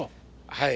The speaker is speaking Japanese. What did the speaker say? はい。